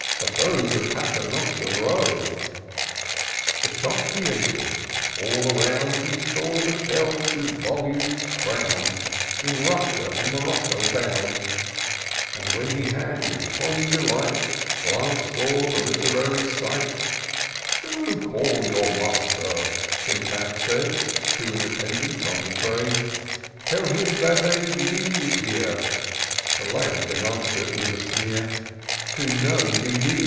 But those of Paternoster Row, The shop he enter'd ;— all around He saw the shelves with volumes crown d, In Russia and Morocco bound : And when he had, with fond delight, Glanc'd o'er the literary sight, " Go, call your master," Syntax said To an attendant on the trade ;" TeU him that a D. D. is here :" The lad then answer'd with a sneer, " To no D. D.